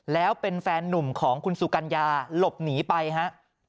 แล้วเป็นแฟนหนุ่มของคุณสุกัญญาหลบหนีไปฮะ